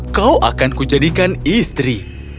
aku akan menjadikanmu istri